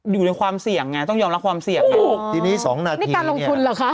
อยู่ในความเสี่ยงไงต้องยอมรับความเสี่ยงนี่การลงทุนเหรอคะ